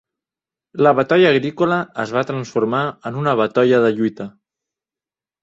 La batolla agrícola es va transformar en una batolla de lluita.